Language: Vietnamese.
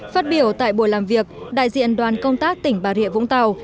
phát biểu tại buổi làm việc đại diện đoàn công tác tỉnh bà rịa vũng tàu